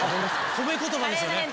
褒め言葉ですよね。